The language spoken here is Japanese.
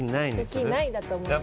「できない」だと思います